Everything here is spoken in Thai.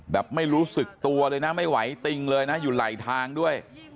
แบบไม่รู้สึกตัวเลยนะไม่ไหวติงเลยนะอยู่ไหลทางด้วย